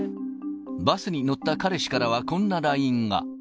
バスに乗った彼氏からは、こんなＬＩＮＥが。